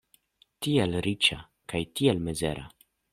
Tiel riĉa kaj tiel mizera!